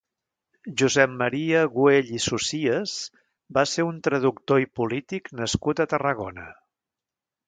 Josep Maria Güell i Socias va ser un traductor i polític nascut a Tarragona.